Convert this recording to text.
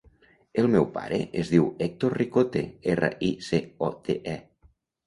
El meu pare es diu Hèctor Ricote: erra, i, ce, o, te, e.